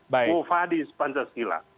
bu fadis pancasila